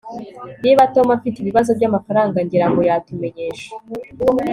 niba tom afite ibibazo byamafaranga, ngira ngo yatumenyesha